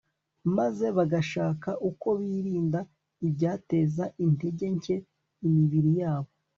maze bagashaka uko birinda ibyateza intege nke imibiri yabo